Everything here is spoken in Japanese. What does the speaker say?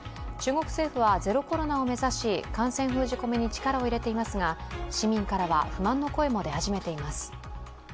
中国政府は、ゼロコロナを目指し感染封じ込めに力を入れていますが、市民からは不満の声も出始めています。